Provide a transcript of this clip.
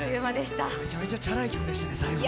めちゃめちゃチャラい曲でしたね、最後の。